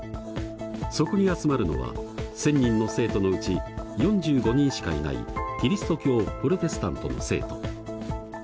そこに集まるのは１，０００人の生徒のうち４５人しかいないキリスト教プロテスタントの生徒。